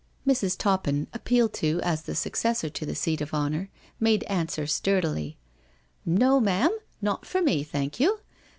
Mrs. ToppiUy appealed to as the successor to the seat of honour, made answer sturdily: " No, mam, not for me, thank you.